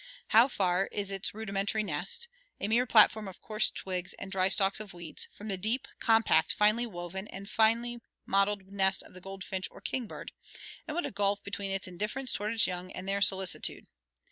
How far is its rudimentary nest a mere platform of coarse twigs and dry stalks of weeds from the deep, compact, finely woven and finely modeled nest of the goldfinch or king bird, and what a gulf between its indifference toward its young and their solicitude!